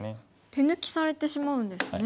手抜きされてしまうんですね。